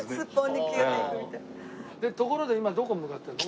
ところで今どこ向かってるの？